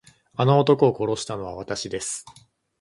あの男を殺したのはわたしです。